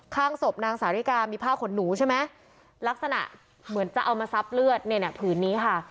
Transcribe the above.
ข้างศพนางสาวริกามีผ้าขนหนูใช่ไหมลักษณะเหมือนจะเอามาซับเลือดเนี่ยน่ะผืนนี้ค่ะ